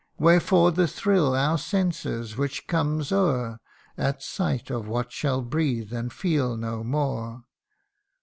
Wherefore the thrill our senses which comes o'er At sight of what shall breathe and feel no more